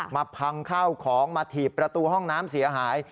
มาพังข้าวของมาถีบประตูห้องน้ำเสียหาย